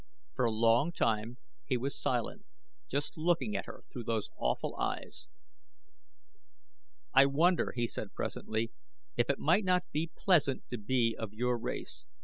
For a long time he was silent, just looking at her through those awful eyes. "I wonder," he said presently, "if it might not be pleasant to be of your race.